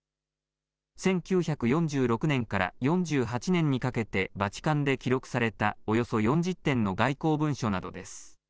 １９４６年から４８年にかけてバチカンで記録されたおよそ４０点の外交文書などです。